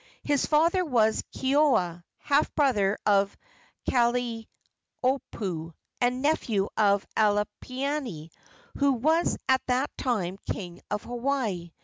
His father was Keoua, half brother of Kalaniopuu, and nephew of Alapainui, who was at that time king of Hawaii.